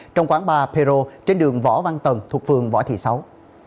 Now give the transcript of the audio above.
trong quán bar pero trên đường võ văn tần thuộc phường võ thị sáu